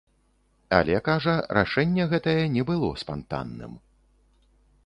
Але, кажа, рашэнне гэтае не было спантанным.